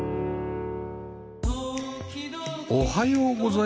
おはようございます。